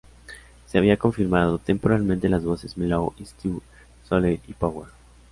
Se había confirmado temporalmente las voces "Mellow", "Sweet", "Solid" y "Power".